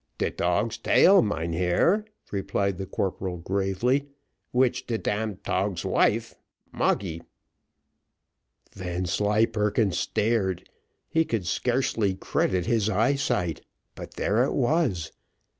"Te tog's tail, mynheer," replied the corporal, gravely, "which de dam tog's wife Moggy " Vanslyperken stared; he could scarcely credit his eyesight, but there it was.